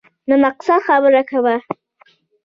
د مقصد خبره کوه !